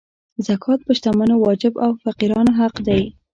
زکات په شتمنو واجب او په فقیرانو حق دی.